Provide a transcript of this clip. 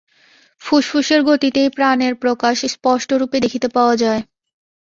ফুসফুসের গতিতেই প্রাণের প্রকাশ স্পষ্টরূপে দেখিতে পাওয়া যায়।